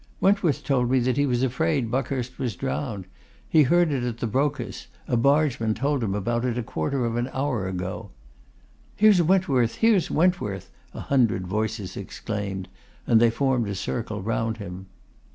'Wentworth told me that he was afraid Buckhurst was drowned. He heard it at the Brocas; a bargeman told him about a quarter of an hour ago.' 'Here is Wentworth! Here is Wentworth!' a hundred voices exclaimed, and they formed a circle round him.